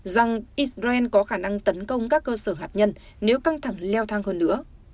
rằng israel có khả năng tấn công các cơ sở hạt nhân nếu căng thẳng leo thang hơn nữa